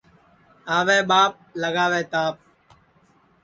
آوے ٻاپ لگاوے تاپ